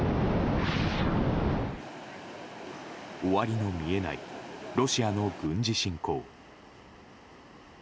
終わりの見えないロシアの軍事侵攻。